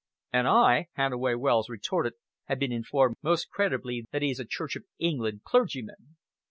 "And I," Hannaway Wells retorted, "have been informed most credibly that he is a Church of England clergyman."